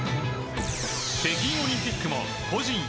北京オリンピックも個人